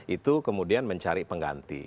itu kemudian mencari pengganti